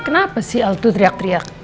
kenapa sih al tuh teriak teriak